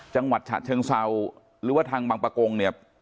จังหวัดฉะเชิงเซาหรือว่าทางบางประกงเนี่ย